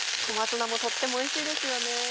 小松菜もとってもおいしいですよね。